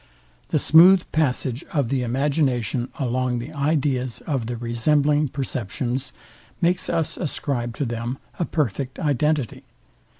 The smooth passage of the imagination along the ideas of the resembling perceptions makes us ascribe to them a perfect identity.